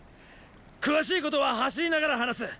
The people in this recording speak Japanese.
詳しいことは走りながら話す。